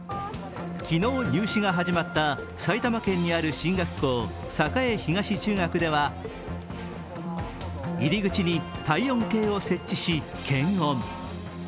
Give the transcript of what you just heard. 昨日入試が始まった埼玉県にある進学校、栄東中学では入り口に体温計に設置し、検温。